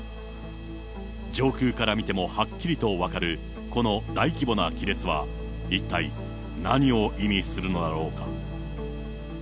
上空から見てもはっきりと分かるこの大規模な亀裂は、一体何を意味するのだろうか。